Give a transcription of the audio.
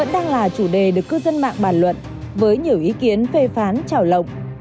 đang là chủ đề được cư dân mạng bàn luận với nhiều ý kiến phê phán chảo lộng